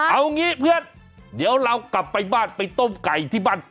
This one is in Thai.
เอางี้เพื่อนเดี๋ยวเรากลับไปบ้านไปต้มไก่ที่บ้านต่อ